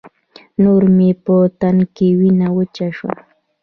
نور مې په تن کې وينه وچه شوه.